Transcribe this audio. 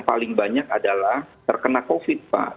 paling banyak adalah terkena covid pak